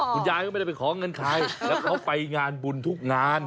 คุณยายก็ไม่ได้ไปขอเงินใครแล้วเขาไปงานบุญทุกงาน